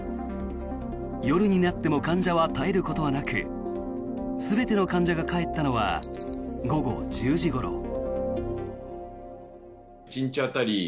夜になっても患者は絶えることなく全ての患者が帰ったのは午後１０時ごろ。